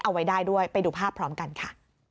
เอาไว้ได้ด้วยไปดูภาพพร้อมกันค่ะ